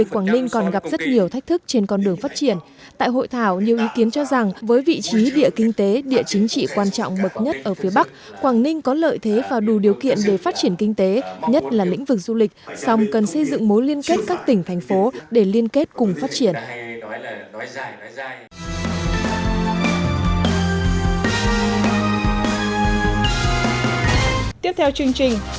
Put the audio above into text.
quảng ninh còn gặp rất nhiều thách thức trên con đường phát triển tại hội thảo nhiều ý kiến cho rằng với vị trí địa kinh tế địa chính trị quan trọng bậc nhất ở phía bắc quảng ninh có lợi thế và đủ điều kiện để phát triển kinh tế nhất là lĩnh vực du lịch song cần xây dựng mối liên kết các tỉnh thành phố để liên kết cùng phát triển